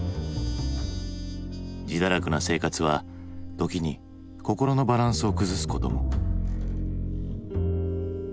自堕落な生活は時に心のバランスを崩すことも。